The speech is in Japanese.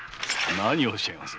何をおっしゃいます。